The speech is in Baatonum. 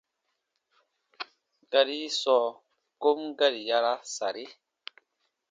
Gari yi sɔɔ kom gari yaraa sari.